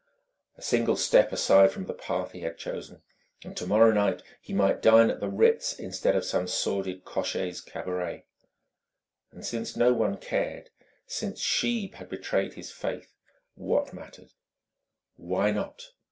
A single step aside from the path he had chosen and tomorrow night he might dine at the Ritz instead of in some sordid cochers' cabaret! And since no one cared since she had betrayed his faith what mattered? Why not...?